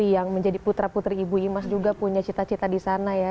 jadi yang menjadi putra putri ibu imas juga punya cita cita di sana ya